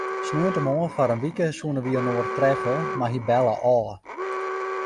Sneontemoarn foar in wike soene wy inoar treffe, mar hy belle ôf.